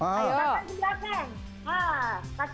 gerakan yang terakhir tinggal empat tuh